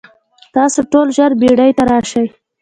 تاسو ټول ژر بیړۍ ته راشئ.